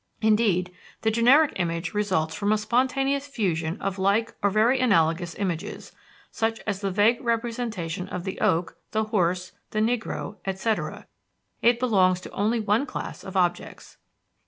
Indeed, the generic image results from a spontaneous fusion of like or very analogous images such as the vague representation of the oak, the horse, the negro, etc.; it belongs to only one class of objects.